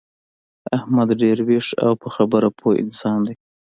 احمد ډېر ویښ او په خبره پوه انسان دی.